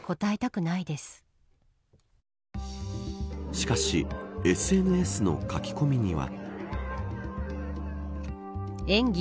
しかしＳＮＳの書き込みには。